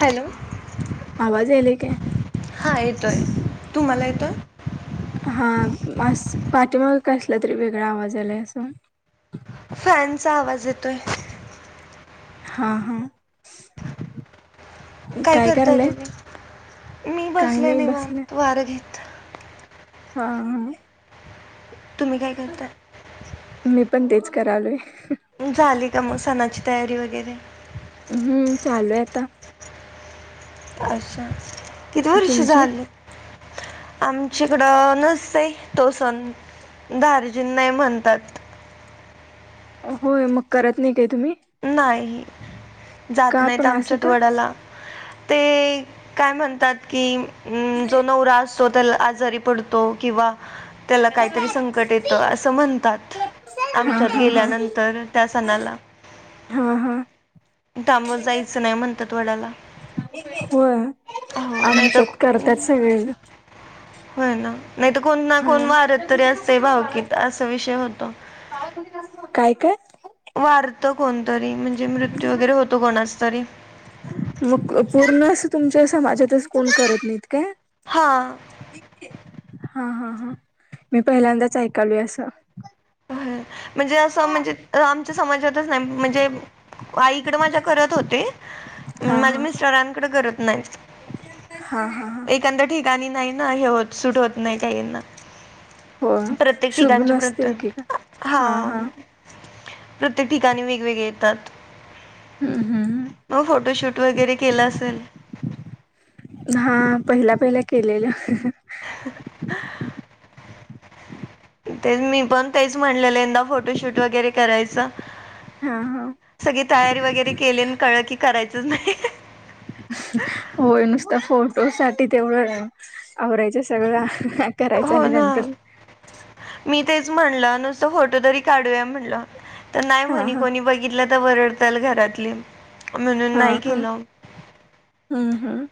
Hello आवाज यायलाय काय? हा येतोय. तुम्हाला येतोय. हा मस पाठीमाग कसला तरी वेगळा आवाज आलाय असं. जेतोय. हा हा. [inaudible] काय करताय तु मी काही बसले नाही बसले. निवांत वारं घेत. हा हा. तुम्ही काय करता? मी पण तेच करालोय. झाले का मग सणाची तयारी वगैरे हम्म चालूय आता. अच्छा किती वर्ष तुमची? झाली? आमच्याकडं नसते तो सन दार्जिन नाही म्हणतात. [inaudible] होय मग करत नाही काय तुम्ही. नाही जात का नाहीत पण असं आमच्यात का? वडाला ते काय म्हणतात की जो नवरा असतो त्याला आजारी पडतो किंवा त्याला काहीतरी संकट येतं असं म्हणतात. हा आमच्यात हा हा. गेल्यानंतर त्या सणाला. हा हा. त्यामुळ जायचं नाही म्हणतात वडाला. होय हो नाही तर आमच्यात करतात सगळे ज होय ना नाही तर कोण ना कोण वारत तरी असतंय भावकत असा विषय होतो. काय काय? वारत कोणतरी म्हणजे मृत्यू वगैरे होतो कोणाच तरी मग पूर्ण अस तुमच्या समाजातच कोण करत नाहीत का? हां हा हा हा मी पहिल्यांदाच ऐकालोय असं. होय. म्हणजे असं म्हणजे आमच्या समाजातच नाही म्हणजे आईकडे माझ्या करत होते हा हा माझ्या मिस्टरांकडे करत नाहीच हा. हा एखाद्या ठिकाणी नाही ना हे होत सुूट होत नाही काहीना. हो प्रत्येक शुभ ठिकाणचे प्रत नसते एकेका हा. प्रत्येक ठिकाणी वेगवेगळे येतात. हम्म हम्म म फोटोशूट वगैरे केलं असेल. हा पहिला पहिला केलेलं. [inaudible] तेच मी पण तेच म्हणलेलंं यंदा फोटोशूट वगैरे करायचं. हा हा सगळी तयारी वगैरे केली आणि कळ की करायचच नाही. होय नुसत फोटो साठी तेवढं आवरायचं सगळं. करायचं आणि नंतर च म्हण नुस फोटो तरी काूया म्ह नाही हा म्ह हा कोणी बित आता वरडताल घरातली म्हणून हा नाही हा केलं. हम्म हम्म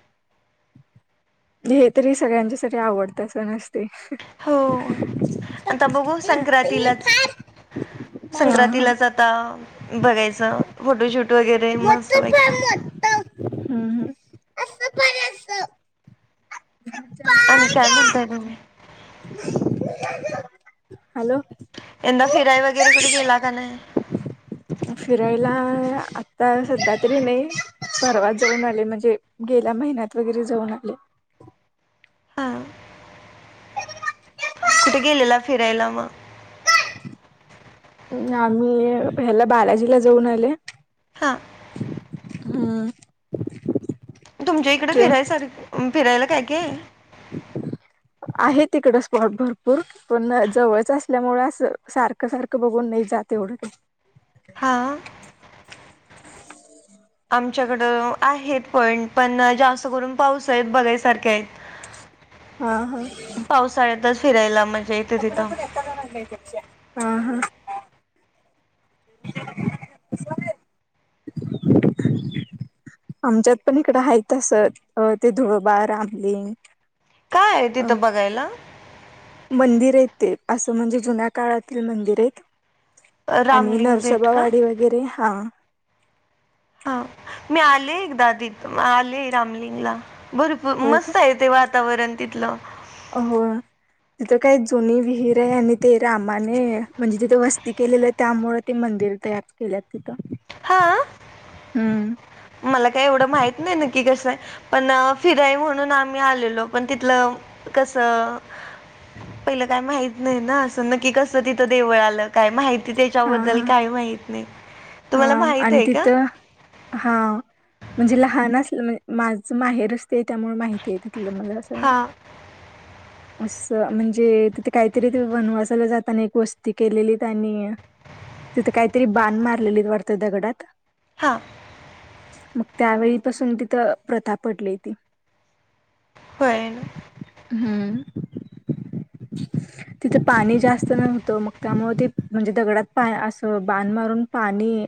हे तरी सगळ्यांच्या सा आवडतंच नसत. हो आता बघू संक्रांतीलाच. हा हा संक्रांतीलाच आता बघायचं फोटोशूट. वगैरे मोठं मस्तपैकी पण मोठं हम्म हम् अस पारी असत. आणि काय म्हणताय तुम्ही खोउ. हॅलो यंदा फिराय वगैरे कुठे गेला का नाही? तू फिरायला आता सध्या तरी नय. परवा जाऊन आले म्हणजे गेल्या महिन्यात वगैरे जाऊन आले. हा. फिरायला मग ् आम्ही अ ह्याला बालाजीला जाऊन आले. हा. हा. तुमच्या इकडे फिरायसारख अम् फिरायला काय काय? आहेत तिकड स्पॉट भरपूर पण जवळच असल्यामुळे अस सारखं सारखं बघून नाही. त्यात एवढं काय? हा आ आम च्याकड आहेत पॉईंट पण जास्त करून पावसाळ्यात बघायसारख्या आहेत. हा ह. च फिरायला मज पापुजपू एकटा जाऊन आणलाय हा पेपस्या हा हा. स आहे. आमच्यात पण इकडं हायत तस ते धुळबा रामलिंग काय आहे अ तिथं बघायला? मंदिर आहे. ते असं म्हणजे जुन्या काळातील मंदिर आहेत. आणि रामलिंग भेट का? नरसोबावाडी वगैरे हा. हा मी आले एकदा तीत आलेय रामलिंगला. भरपूर होय काय मस्त आहे ते वातावरण तिथलं. हो. तिथं काही जुनी विहीर आहे आणि ते रामाने म्हणजे तिथे वस्ती केलेली त्यामुळे ते म मंदिर तयार केल्या तिथं. हा हम्म मला काही एवढं माहित नाही नक्की कसं आहे. पण फिराय म्हणून आम्ही आलेलो पण तिथलं कसं पहिलं काय माहित नाही ना असं नक् ककी कस तिथं देवळ आलं काय माहित हा त्याच्याबद्दल हा काय माहत नाही. हा तुम्हाला माहित आणि आहे का? तिथं हा म्हणजे लहान असलं म्हण माझ माहेर च ते त्यामुळे माहिती आहे ते तिथलं मला असं. हा असं म्हणजे तिथे काहीतरी वनवासाला जाताना एक वस्ती केलेलीत आणि तिथं काहीतरी बाण मारलेलीत वाढत दगडात. हां आ. मग त्यावेळीपासून तिथं प्रथा पडलई ती. होय ना. हम्. तिथं पाणी जास्त नव्हतं मग त्यामुळे ते म्हणजे दगडात असं बाण मारून पाणी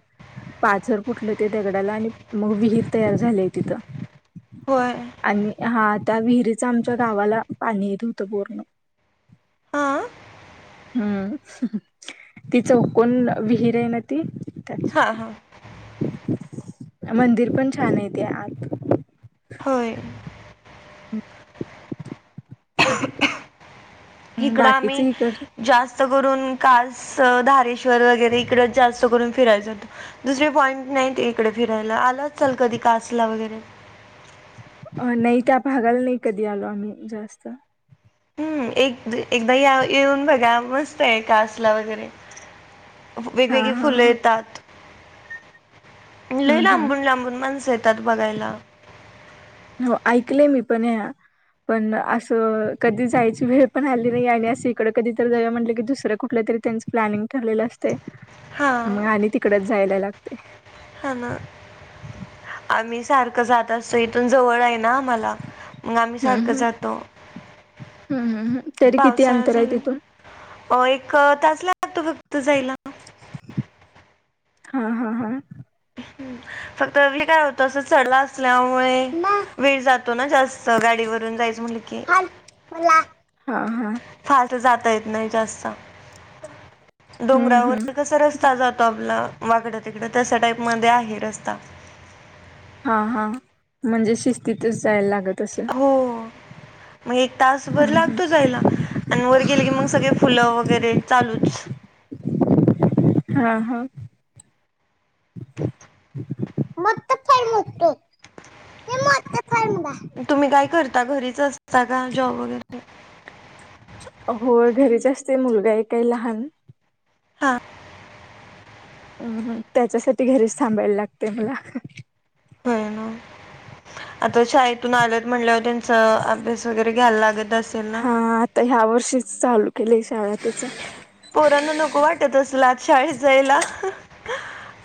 पाझर फुटलं ते दगडाला आणि मग विहीर तयार झालेय तिथं होय आणि हा त्या विहिरीचा आमच्या गावाला पाणी येत हो तो पूर्ण हां हम् ति चौकोन विहीर आहे ना ती त्याच हा हा मंदिर पण छान आहेेत आत होय इकडे आम्ही बाकीच इकड जास्त जास्तकरून कास, धारेश्वर वगैरे इकडच जास्त करून फिरायला जातो दुसरी पॉईंट नाही इकडे फिरायला आला असाल कधी कासला वगैरे अ नाही का भागायला नाही कधी आलो आम्ही जास्त हम्म एकदा येऊन बघा मस्त आहे कासला वगैरे हा वेगवेगळी हा फुलं हा. येतात लय हम्म हम्म. लांबून लांबून माणसं येतात बघायला हो ऐकलेय मी पण पण असं कधी जायची वेळ पण आली नाही आणि असं इकडं कधी तर जाऊ म्हटलं की दुसऱ्या कुठल्या तरी त्यांच प्लॅनिंग ठरलेलं असते मग आणि तिकडच जायला लागतय हा ना आम्ही सारखं जात असतो इथून जवळ आहे ना मला मग आम्ही सारखं हम्म जातो हम्म हम्म हम्म तरी किती पावसाळा अंतर आहे तिथून झाला, एक तास ला लागतो फक्त जायला हा हा हा फक्त मी काय होतो अस चढला असत असल्यामुळे हा वेळ जातो ना जास्त गाडीवरून जायच म्हटलं की हा हा फास्ट जाता येत नाही जास्त हम्म हम्म डोंगरावर कसा रस्ता जातो आपला वाकड तिकड तस टाईप मध्ये आहे रस्ता हा हा म्हणजे शिस्तीतच जायला लागत असंत हो मग एक तासभर लागतो जायला आणि वर गेले की मग सगळे फुलं वगैरे चालूच हा हा मगत फारतो [unintelligible] तुम्ही काय करता घरीच असता का जॉब वगैरे होय घरीच असते मुलगा एक आहे लहान हा त्याच्यासाठी घरीच थांबायला लागते मला हो ना आता शाळेतून आलेत म्हणल्यावर त्यांचा अभ्यास वगैरे घ्यायला लागत असेल ना च चालू केले शाळा त्याच पोरांना नको वाटत असल आज शाळेत जायला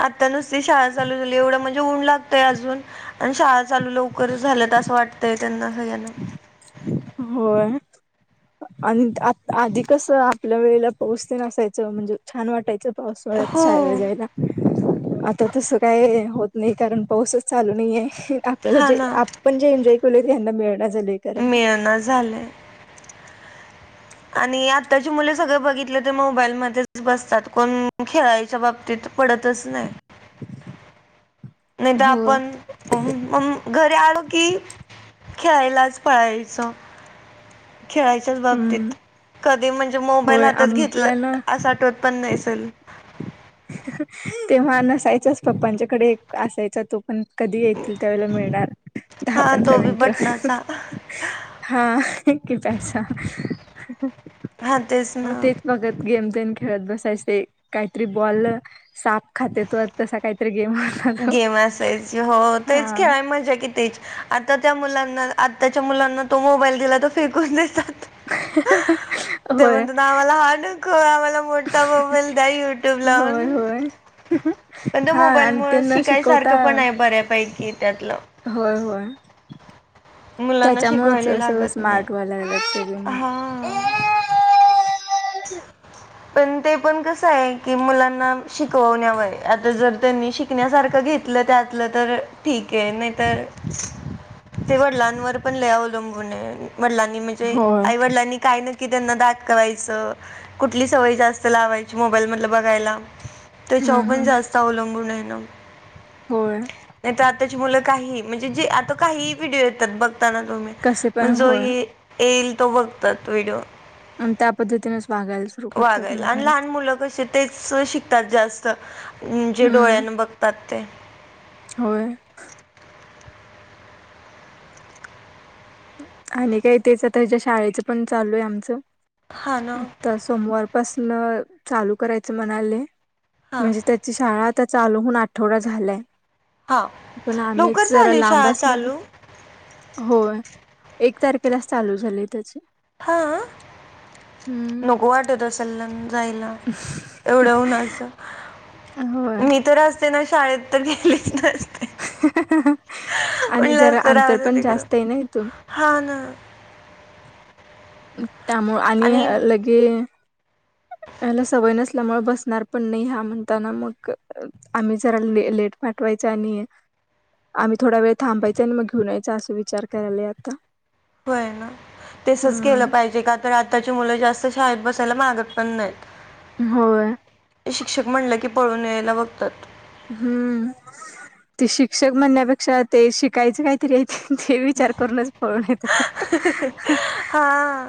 आता नुसती शाळा चालू झाली एवढं म्हणजे ऊन लागतय अजून आणि शाळा चालू लवकर झालं तर असं वाटतंय त्यांना सगळ्यांना होय आणि आधी कस आपल्या वेळेला पाऊस तेन असायचं छान वाटायचं पावसाळ्यात शाळेला हो जायला आता तसं काय होत नाही कारण पाऊसच चालू नाहीे आपल्याला हा जे ना आपण जे एन्जॉय केलय ते ह्यांना मिळणा झालंय मिळना झालय आणि आत्ताची मुले सगळे बघितले ते मोबाईल मध्येच बसतात कोण खेळायच्या बाबतीत पडतच नाही. नाही तर होय आपण म घरी आलो की खेळायलाच पळायचो. खेळायच्याच हम्म बाबतीत कधी म्हणजे मोबाईल होय हातात घेतलं आपल्याला अस आठवत पण नाही. [unintelligible] तेव्हा नसायचच पप्पांच्याकडे असायचा तो पण कधी येतील त्यावेळेला मिळणार. दहा हा पंधरा तो बी मिनिट बटणाचा हा एक कीपॅडचा. हा हो ना तेच बगच गेम खेळत बसायचे काहीतरी बॉल साप खातेेत तसा काही गेम असायची हो हा तेच खेळाय मजा कि तेच आता त्या मुलां ना आताच्या मुलांना तो मोबाईल दिला तो फेकून देतात. ते होय म्हणतात आमाला हार्ड ख आम्हाला मोठा मोबाईल द्या युट्यूब लावून. होय होय पण त्या हा मोबाईल आणि ते मुळं न शिकवता शिकायसारखं पण आहे बऱ्यापैकी त्यातलं. होय होय मुलांना त्याच्यामुळेच शिकवायला सगळं लागत नाही. स्मार्ट व्हायला लागल्यात सगळी मुलं हा. पण ते पण कस आहे की मुलांना शिकवण्यावर आता जर त्यांनी शिकण्यासारखं घेतलं त्यातलं तर ठीक आहे. नाहीतर ते वडिलांवर पण लय अवलंबून आहे. वडिलांनी म्हणजे होय आई वडिलांनी काय नक्की त्यांना दाखवायचं. कुठली सवय जास्त लावायची मोबाईल मधलं बघायला. त्याच्या हम्म वर पण हम्म जास्त अवलंबून आहे ना. होय. नाही तर आताची मुलं काही म्हणजे जे आता काही व्हिडिओ येतात बघताना तुम्ही कसे पण म्हण जो होय येईल तो बघतात व्हिडिओ. अन् त्या पद्धतीन वागायला आणि लहान मुलं कशी तेच शिकतात जास्त जे हम्म डोळ्यान बघतात ते. होय. आणि काय तेच आता हच्या शाळेचं पण चालू आहे आमचं. हां ना आता सोमवारपासन चालू करायचं म्हणाले. हां म्हणजे त्याची शाळा आता चालूहून आठवडा झालाय. हां पण लवकर आम्हीच जरा झाली लांब शाळा असल मग चालू होय. एक तारखेला चालू झाले त्याचे. हा नको वाटत असल जायला ना एवढ्यावर होय. मी तर ना शाळेत तर गेलेच नस [unintelligible] आणि जरा असतं राहू अंतर दे पण तिकडं जास्त आहे ना इथून. हा ना त्यामुळ आणि लगे [inaudible] याला सवय नसल्यामुळे बसणार पण नाही हा म्हणताना मग आम्ही जरा लेट पाठ वायच आणि आम्ही थोडा वेळ थांबायच आणि मग घेऊन यायच असा विचार करायलोय आता. होय ना ते तसच केलं हम्म पाहिजे का तर आताची मुलं जा स्त शाळेत बसायला मागत पण नाहीत. होय. शिक्षक म्हणलं की पळून यायला बघतात. हम्म ते शिक्षक म्हणण्यापेक्षा ते शिकायचं काहीतरी ते विचार करूनच पळून येत. हा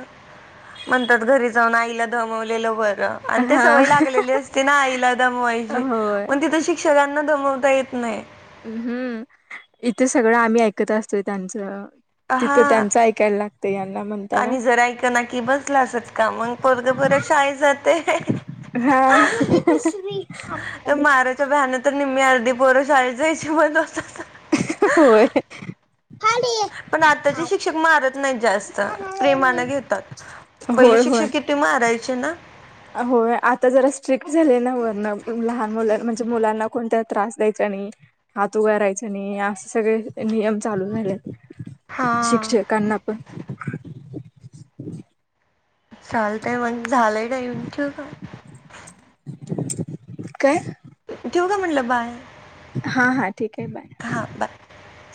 म्हणतात घरी जाऊन आईला दमवलेल ब र आणि ते हा सवय लागलेली असते ना आईला दमवायची होय मग तिथं शिक्षकांना दम - - वता येत नाही. हम्म. इथे सगळं आम्ही ऐकत असतोय त्यांचं - - हा म्हणताना आणि जरा ऐक ना कि बसला चटका मग पोरगं बर शाळेत जातयं. हा त्या माराच्या भ्याने तर निम्मी अ - - दी पोर शाळेच जायची बंद होतात. होय. पण आताचे शिक्षक मारत नाही. जास्त प्रेमानं घेतात. पहिले शिक्षक किती मारायचे ना? हो. आता जरा स्ट्रिक्ट झाले ना वरन लहान मुला म्हणजे मुलांना कोणत त्रास द्यायचा नाई. हात उगारायचं नाई. असे सगळे नियम चालू झाल्यात. हा शिक्षकांना पण चालतंय मग झालंय टाइम ठीउ का. काय. ठीयू का म्हटलं बाय. हा हा ठीक आहे बाय. हा बाय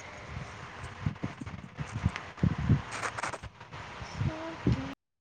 [inaudible] ह [unintelligible]